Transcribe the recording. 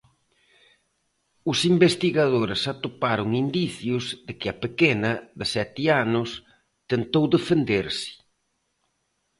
Os investigadores atoparon indicios de que a pequena, de sete anos, tentou defenderse.